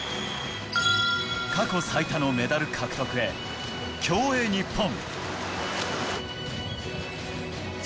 過去最多のメダル獲得へ、競泳ニッポン。